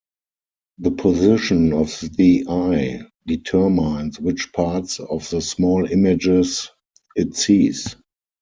The position of the eye determines which parts of the small images it sees.